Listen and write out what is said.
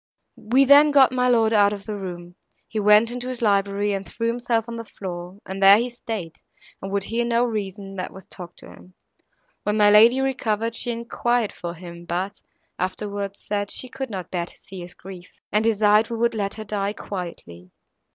"We then got my lord out of the room; he went into his library, and threw himself on the floor, and there he staid, and would hear no reason, that was talked to him. When my lady recovered, she enquired for him, but, afterwards, said she could not bear to see his grief, and desired we would let her die quietly.